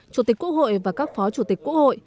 chủ tịch quốc hội và các phó chủ tịch quốc hội